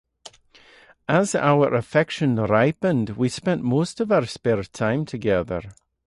As our affection ripened we spent most of our spare time together.